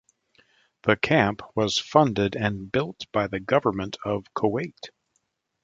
The camp was funded and built by the government of Kuwait.